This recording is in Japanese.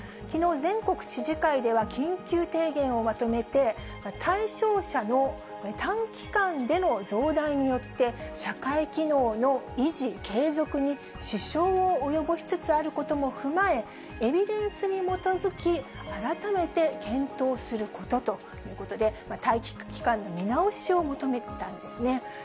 きのう、全国知事会では、緊急提言をまとめて、対象者の短期間での増大によって、社会機能の維持、継続に支障を及ぼしつつあることも踏まえ、エビデンスに基づき、改めて検討することということで、待機期間の見直しを求めたんですね。